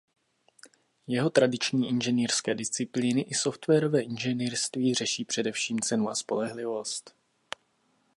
Jako tradiční inženýrské disciplíny i softwarové inženýrství řeší především cenu a spolehlivost.